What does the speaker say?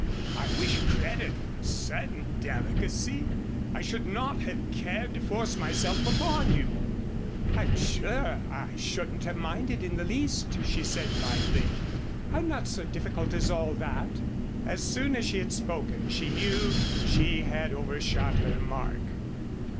I wish credit for a certain delicacy. I should not have cared to force myself upon you." "I'm sure I shouldn't have minded in the least," she said, lightly. "I'm not so difficult as all that." As soon as she had spoken she knew she had overshot her mark.